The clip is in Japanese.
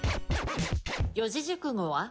四字熟語は？